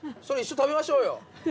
それ一緒に食べましょうよ。